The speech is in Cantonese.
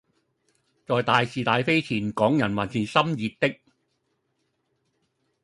在大事大非前港人還是心熱的